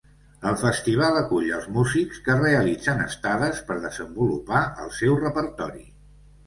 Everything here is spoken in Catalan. El festival acull els músics que realitzen estades per desenvolupar el seu repertori.